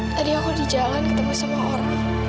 tadi aku di jalan ketemu semua orang